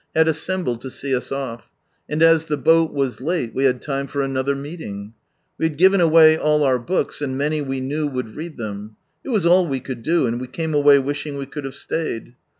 had I assembled to see us off, and as the boat was late we had time for another meetiof^ , We had given away all our books, and many we knew would read them ; it was all we could do, and we came away wishing we could have stayed.